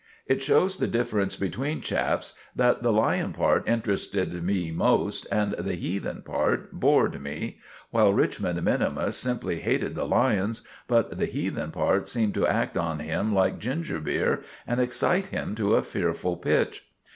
It shows the difference between chaps that the lion part interested me most and the heathen part bored me, while Richmond minimus simply hated the lions, but the heathen part seemed to act on him like ginger beer and excite him to a fearful pitch.